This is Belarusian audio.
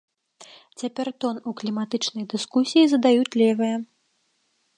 Цяпер тон у кліматычнай дыскусіі задаюць левыя.